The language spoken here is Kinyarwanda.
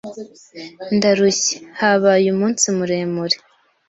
Ndarushye. Habaye umunsi muremure.